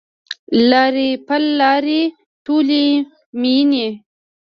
لارې پل لارې ټولي میینې